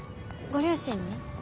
ご両親に？